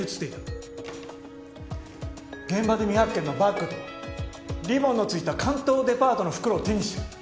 現場で未発見のバッグとリボンの付いた関東デパートの袋を手にしている。